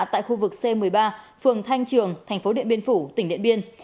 tại khu vực c một mươi ba phường thanh trường thành phố điện biên phủ tỉnh điện biên